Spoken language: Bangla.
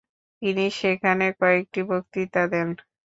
তিনি সেখানে কয়েকটি বক্তৃতা দেন।